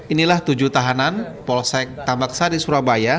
inilah tujuh tahanan polsek tambak sari surabaya